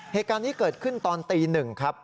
เหตุการณ์นี้เกิดขึ้นตอนตี๑ครับ